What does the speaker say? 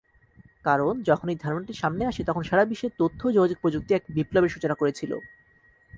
কারণ যখন এই ধারণাটি সামনে আসে, তখন সারা বিশ্বে তথ্য ও যোগাযোগ প্রযুক্তি এক বিপ্লবের সূচনা করেছিল।